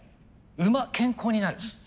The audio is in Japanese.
「馬」「健康になる」。